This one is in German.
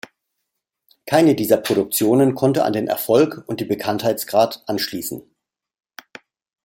Keine dieser Produktionen konnte an den Erfolg und die Bekanntheitsgrad anschließen.